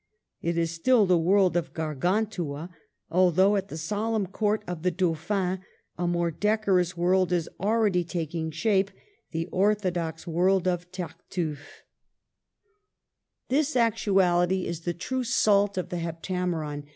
It is still the world of Gargantua; although at the solemn Court of the Dauphin a more deco rous world is already taking shape, — the ortho dox world of Tartu ffe. 246 MARGARET OF ANGOUL^ME. This actuality is the true salt of the '' Hep tameron."